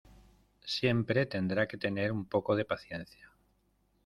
siempre tendrá que tener un poco de paciencia